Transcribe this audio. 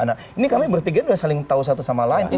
nah ini kami bertiga sudah saling tahu satu sama lain